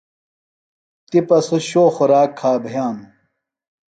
تِپہ سوۡ شو خوراک کھا بِھیانوۡ۔